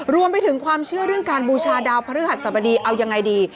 รวมไปถึงความเชื่อเรื่องการบูชาดาวพระฤหัสสบดีเอายังไงดี